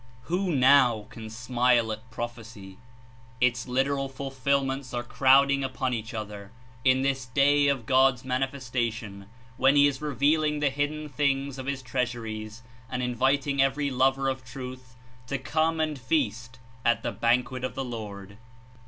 Who now can smile at prophecy? Its literal ful filments are crowding upon each other in this Day of God's Manifestation when he is revealing the hid den things of his treasuries and inviting every lover of Truth to come and feast at the banquet of the Lord.